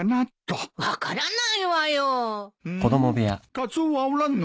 カツオはおらんのか？